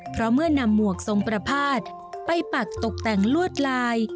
เพราะเมื่อนำหมวกทรงประพาทไปปักตกแต่งลวดลาย